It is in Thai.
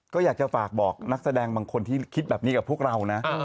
ก็อยากจะฝากบอกนักแสดงบางคนที่คิดแบบนี้กับพวกเรานะ